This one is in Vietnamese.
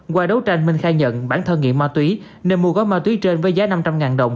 qua đấu tranh minh khai nhận bản thân nghiện ma túy nên mua gói ma túy trên với giá năm trăm linh đồng